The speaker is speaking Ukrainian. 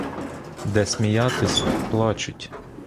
Де сміятись — плачуть.